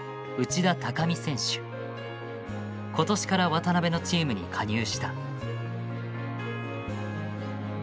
今年から渡辺のチームに加入した。